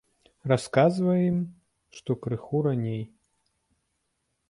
Расказваем ім, што крыху раней.